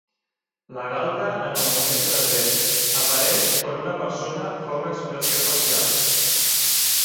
La galta en el moment present, apareix quan una persona fa una expressió facial.